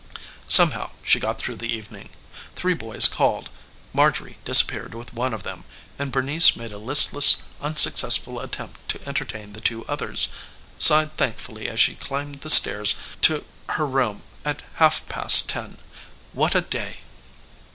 Somehow she got through the evening. Three boy's called; Marjorie disappeared with one of them, and Bernice made a listless unsuccessful attempt to entertain the two others sighed thankfully as she climbed the stairs to her room at half past ten. What a day!